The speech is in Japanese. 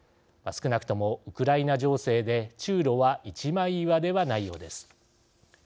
少なくともウクライナ情勢で中ロは一枚岩ではないようです。